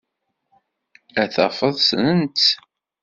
Ad tafeḍ ssnen-tt.